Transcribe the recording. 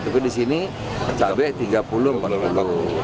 tapi di sini cabenya rp tiga puluh rp empat puluh